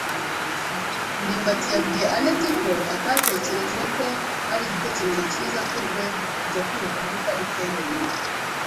ndimbati yabwiye anet ko atatekereje ko ari igitekerezo cyiza kuri we kujya kwiruka muri parike wenyine.